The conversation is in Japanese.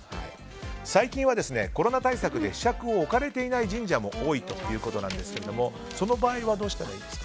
最近はコロナ対策でひしゃくを置かれていない神社も多いということですがその場合はどうしたらいいですか。